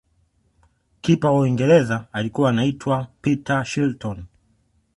kipa wa uingereza alikuwa anaitwa peter shilton